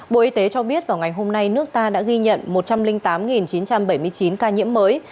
bộ y tế cho biết vào ngày hôm nay nước ta đã ghi nhận một trăm linh tám chín trăm bảy mươi chín ca nhiễm mới